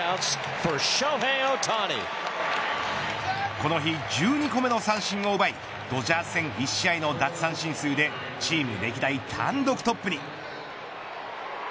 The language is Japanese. この日１２個目の三振を奪いドジャース戦１試合の奪三振数でチーム歴代単独トップに。